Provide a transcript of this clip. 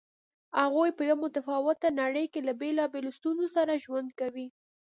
هغوی په یوه متفاوته نړۍ کې له بېلابېلو ستونزو سره ژوند کوي.